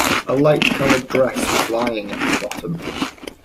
A light-coloured dress was lying at the bottom.